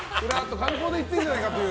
観光で行ってるんじゃないかという。